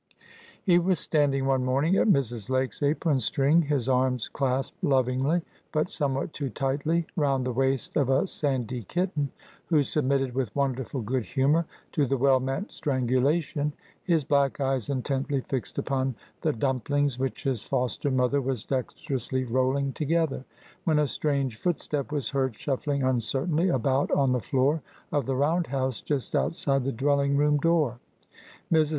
He was standing one morning at Mrs. Lake's apron string, his arms clasped lovingly, but somewhat too tightly, round the waist of a sandy kitten, who submitted with wonderful good humor to the well meant strangulation, his black eyes intently fixed upon the dumplings which his foster mother was dexterously rolling together, when a strange footstep was heard shuffling uncertainly about on the floor of the round house just outside the dwelling room door. Mrs.